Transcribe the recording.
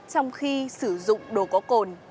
trong khi sử dụng đồ có cồn